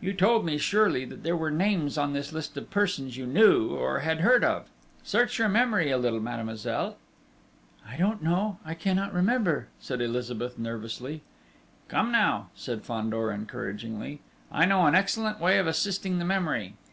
You told me, surely, that there were names in this list of persons you knew, or had heard of? Search your memory a little, mademoiselle." "I don't know! I cannot remember!" cried Elizabeth nervously. "Come now," said Fandor encouragingly, "I know an excellent way of assisting the memory.